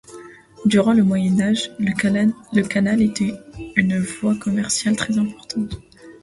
Durant le Moyen Âge, le canal était une voie commerciale très importante.